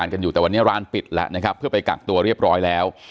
เนี่ยร้านปิดแล้วนะครับเพื่อไปกักตัวเรียบร้อยแล้ว